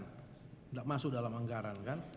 tidak masuk dalam anggaran kan